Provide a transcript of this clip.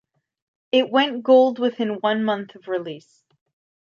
It went gold within one month of release.